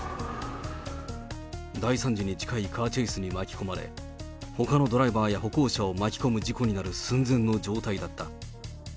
大惨事に近いカーチェイスに巻き込まれ、ほかのドライバーや歩行者を巻き込む事故になる寸前の状態だった。